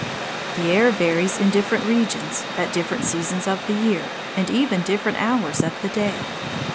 The air varies in different regions, at different seasons of the year, and even different hours of the day.